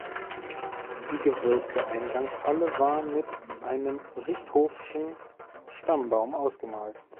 Die gewölbte Eingangshalle war mit einem Richthofen’schen Stammbaum ausgemalt.